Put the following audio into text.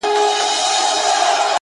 • غواړمه چي دواړي سترگي ورکړمه،